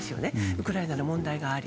ウクライナの問題があり。